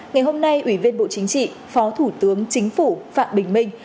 ngày hôm nay ủy viên bộ chính trị phó thủ tướng chính phủ phạm bình minh